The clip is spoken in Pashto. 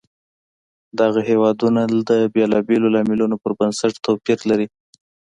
دغه هېوادونه د بېلابېلو لاملونو پر بنسټ توپیر لري.